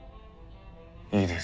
いいですよ。